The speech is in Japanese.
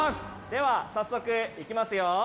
では早速行きますよ。